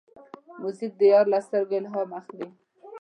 موزیک د یار له سترګو الهام اخلي.